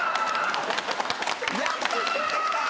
やったー！